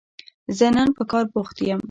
زه نن په کار بوخت يم